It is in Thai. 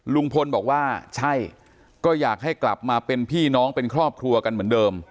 ลุงพลบอกว่าใช่ก็อยากให้กลับมาเป็นพี่น้องเป็นครอบครัวกันเหมือนเดิม